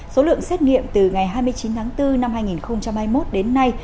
số lượng xét nghiệm từ ngày hai mươi chín tháng bốn năm hai nghìn hai mươi một đến nay